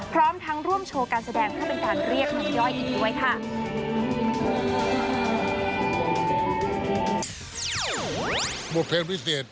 พร้อมทั้งร่วมโชว์การแสดงเพื่อเป็นการเรียกลูกย่อยอีกด้วยค่ะ